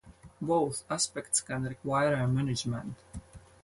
Both aspects can require management.